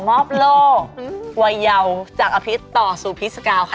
มอบโลกวัยเยาจากอภิษต่อสู่พิษกาวค่ะ